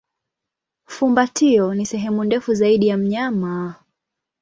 Fumbatio ni sehemu ndefu zaidi ya mnyama.